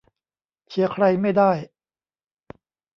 เชียร์ใครไม่ได้